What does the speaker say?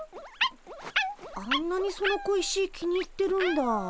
あんなにその小石気に入ってるんだ。